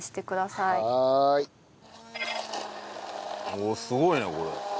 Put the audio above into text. おおすごいねこれ。